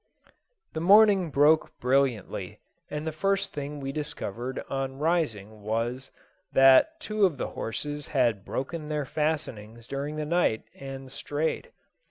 The morning broke brilliantly, and the first thing we discovered on rising was, that two of the horses had broken their fastenings during the night, and strayed.